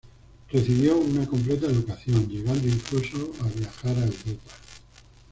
Recibió una completa educación, llegando incluso a viajar a Europa.